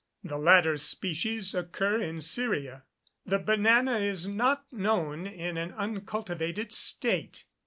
The latter species occur in Syria. The banana is not known in an uncultivated state.